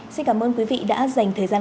xin cảm ơn quý vị đã dành thời gian